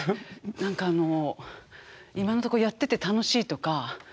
何かあの今のとこやってて楽しいとかでしょう？